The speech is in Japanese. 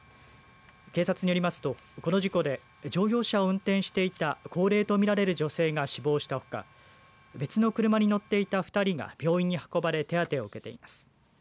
警察によりますとこの事故で乗用車を運転していた高齢とみられる女性が死亡したほか別の車に乗っていた２人が病院に運ばれ手当てを受けています。